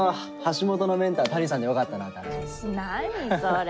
何それ。